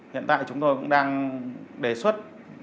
hiện tại chúng tôi cũng đang đề xuất